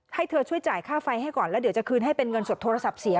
ให้เธอช่วยจ่ายค่าไฟให้ก่อนแล้วเดี๋ยวจะคืนให้เป็นเงินสดโทรศัพท์เสีย